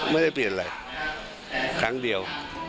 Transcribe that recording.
ไม่ได้เปลี่ยนอะไรครั้งเดียว